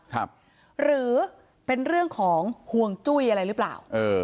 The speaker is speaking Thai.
หรือเป็นเรื่องของห่วงจุ้ยอะไรหรือเปล่าเออ